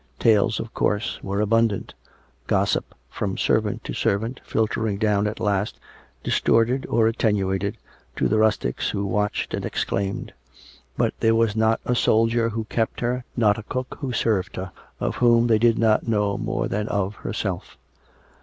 Tales, of course, were abundant — gossip from servant to servant, filtering down at last, distorted or attenuated, to the rustics who watched and exclaimed; but there was not a soldier who kept her, not a cook who served her, of whom they did not know more than of herself.